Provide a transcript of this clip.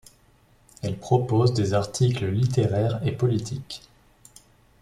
Elle propose des articles littéraires et politiques.